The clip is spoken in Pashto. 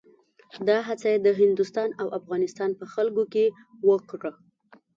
دا هڅه یې د هندوستان او افغانستان په خلکو کې وکړه.